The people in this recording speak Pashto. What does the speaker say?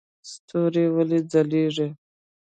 ستوري ولې ځلیږي؟